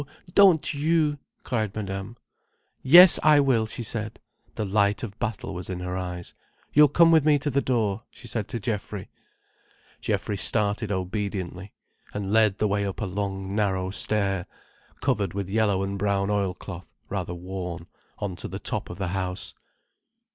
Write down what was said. Don't you!" cried Madame. "Yes I will," she said. The light of battle was in her eyes. "You'll come with me to the door," she said to Geoffrey. Geoffrey started obediently, and led the way up a long narrow stair, covered with yellow and brown oil cloth, rather worn, on to the top of the house.